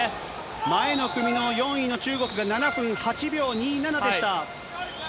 前の組の４位の中国が７分８秒２７でした。